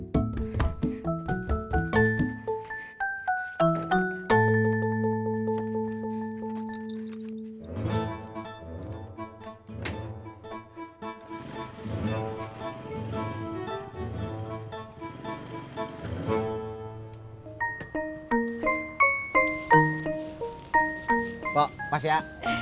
pak pas ya